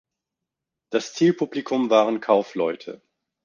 Das Zielpublikum waren Kaufleute.